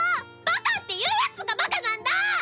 バカって言うヤツがバカなんだ！